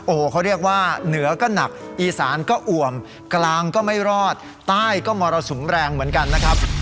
โอ้โหเขาเรียกว่าเหนือก็หนักอีสานก็อ่วมกลางก็ไม่รอดใต้ก็มรสุมแรงเหมือนกันนะครับ